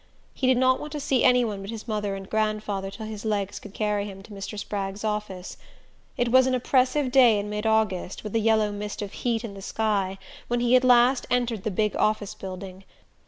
He did not want to see any one but his mother and grandfather till his legs could carry him to Mr. Spragg's office. It was an oppressive day in mid August, with a yellow mist of heat in the sky, when at last he entered the big office building.